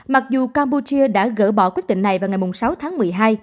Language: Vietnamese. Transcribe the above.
vùng campuchia đã gỡ bỏ quyết định này vào ngày sáu tháng một mươi hai